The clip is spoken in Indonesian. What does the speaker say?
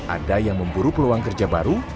ada yang memburu peluang kerja baru